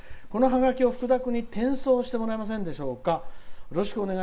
このハガキをふくだくんに転送してもらえませんでしょうか。